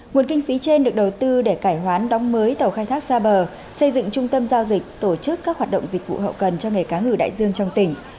nguồn kinh phí trên được đầu tư để cải hoán đóng mới tàu khai thác xa bờ xây dựng trung tâm giao dịch tổ chức các hoạt động dịch vụ hậu cần cho nghề cá ngừ đại dương trong tỉnh